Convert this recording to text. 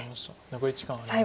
残り時間はありません。